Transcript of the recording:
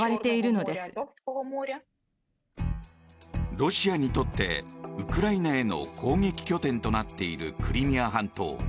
ロシアにとってウクライナへの攻撃拠点となっているクリミア半島。